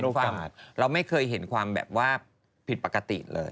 เราไม่เคยเห็นความแบบว่าผิดปกติเลย